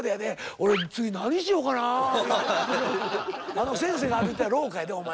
あの先生が歩いた廊下やでお前。